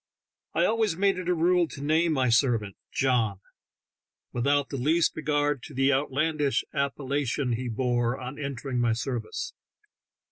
I always made it a rule to name my servant "John," without the least regard to the outlandish appellation he bore on entering my service.